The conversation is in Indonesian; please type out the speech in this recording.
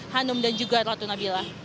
hanum dan juga ratu nabila